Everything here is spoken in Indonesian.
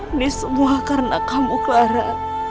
ini semua karena kamu clara